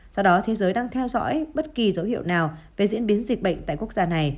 do đó thế giới đang theo dõi bất kỳ dấu hiệu nào về diễn biến dịch bệnh tại quốc gia này